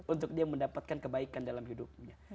untuk dia mendapatkan kebaikan dalam hidupnya